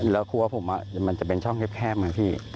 แล้วครัวผมมันจะเป็นช่องแคบไงพี่